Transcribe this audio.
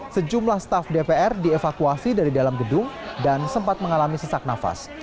sejumlah staf dpr dievakuasi dari dalam gedung dan sempat mengalami sesak nafas